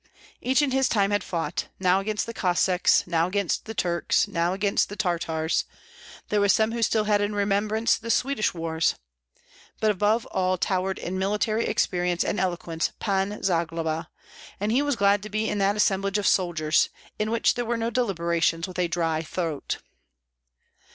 Each in his time had fought, now against the Cossacks, now against the Turks, now against Tartars; there were some who still held in remembrance the Swedish wars. But above all towered in military experience and eloquence Pan Zagloba; and he was glad to be in that assemblage of soldiers, in which there were no deliberations with a dry throat.